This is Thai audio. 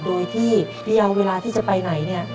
โดยที่ไม่เอาเวลาที่จะไปไหนเนี่ย